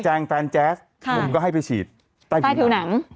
แฟนแจ๊สผมก็ให้ไปฉีดใต้ผิวหนัง